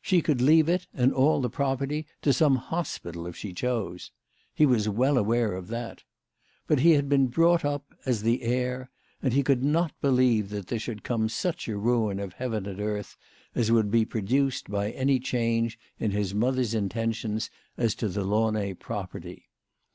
She could leave it and all the property to some hospital if she chose. He was well aware of that. But he had been brought up as the heir, and he could not believe that there should come such a ruin of heaven and earth as would be produced by any change in his mother's intentions as to the Launay property.